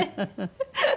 フフフフ。